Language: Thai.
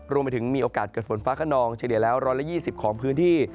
มีโอกาสเกิดฝนฟ้าขนองเฉลี่ยแล้ว๑๒๐ของพื้นที่